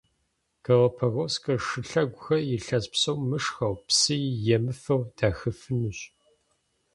Галапагосскэ шылъэгухэр илъэс псо мышхэу, псыи емыфэу дахыфынущ.